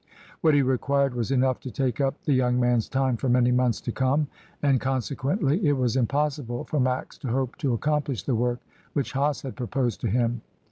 What he required was enough to take up the young man's time for many months to come, and consequently it was impossible for Max to hope to accomplish the work which Hase had proposed to him.